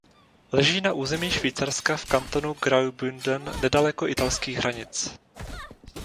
Leží na území Švýcarska v kantonu Graubünden nedaleko italských hranic.